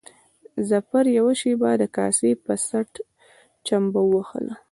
ظفر يوه شېبه د کاسې په څټ چمبه ووهله.